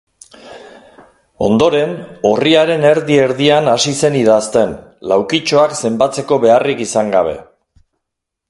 Ondoren, orriaren erdi-erdian hasi zen idazten, laukitxoak zenbatzeko beharrik izan gabe.